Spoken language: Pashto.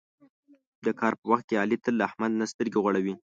د کار په وخت کې علي تل له احمد نه سترګې غړوي.